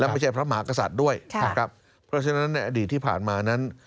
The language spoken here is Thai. ไม่ใช่พระมหากษัตริย์ด้วยนะครับเพราะฉะนั้นในอดีตที่ผ่านมานั้น